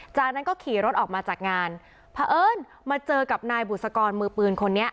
จากนั้นก็ขี่รถออกมาจากงานพระเอิญมาเจอกับนายบุษกรมือปืนคนนี้